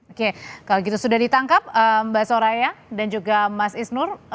oke kalau gitu sudah ditangkap mbak soraya dan juga mas isnur